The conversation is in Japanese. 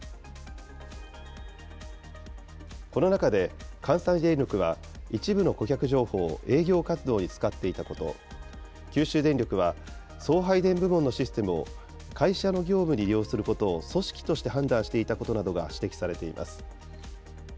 この中で関西電力は、一部の顧客情報を営業活動に使っていたこと、九州電力は、送配電部門のシステムを会社の業務に利用することを組織として判断していたことなどが指摘されています。